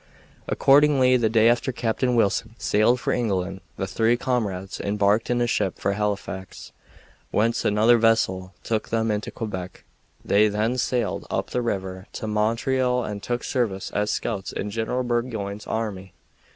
Accordingly, the day after Captain Wilson sailed for England the three comrades embarked in a ship for Halifax, whence another vessel took them to Quebec. They then sailed up the river to Montreal and took service as scouts in General Burgoyne's army.